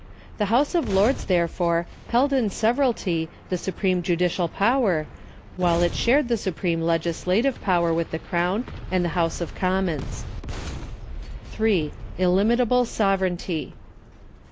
The House of Lords, therefore, heki in severalty the supreme judicial power, while it shared the supreme legislative power with the Crown and the House of Commons. 3. Illimitable, sovereignty.